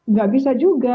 nggak bisa juga